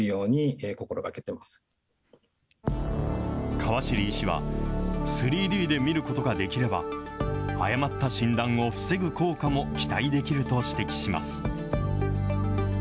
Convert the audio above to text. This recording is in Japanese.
川尻医師は、３Ｄで診ることができれば、誤った診断を防ぐ効果も期待できると指摘します。